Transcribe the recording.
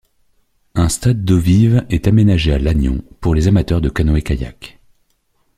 Un stade d'eau vive est aménagé à Lannion pour les amateurs de canoë-kayak.